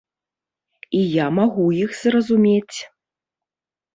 І я магу іх зразумець.